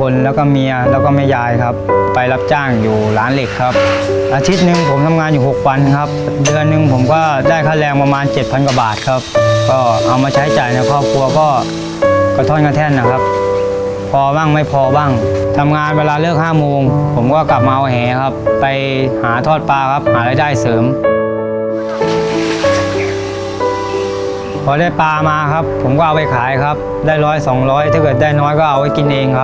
คนแล้วก็เมียแล้วก็แม่ยายครับไปรับจ้างอยู่ร้านเหล็กครับอาทิตย์หนึ่งผมทำงานอยู่หกวันครับเดือนหนึ่งผมก็ได้ค่าแรงประมาณเจ็ดพันกว่าบาทครับก็เอามาใช้จ่ายในครอบครัวก็กระท่อนกระแท่นนะครับพอบ้างไม่พอบ้างทำงานเวลาเลิกห้าโมงผมก็กลับมาเอาแหครับไปหาทอดปลาครับหารายได้เสริมพอได้ปลามาครับผมก็เอาไปขายครับได้ร้อยสองร้อยถ้าเกิดได้น้อยก็เอาไว้กินเองครับ